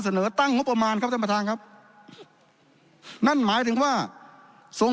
เสนอตั้งงบประมาณครับท่านประธานครับนั่นหมายถึงว่าทรง